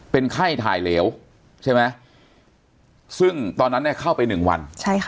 เป็นไข้ถ่ายเหลวใช่ไหมซึ่งตอนนั้นเข้าไป๑วัน